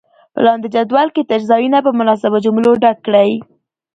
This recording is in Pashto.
په لاندې جدول کې تش ځایونه په مناسبو جملو ډک کړئ.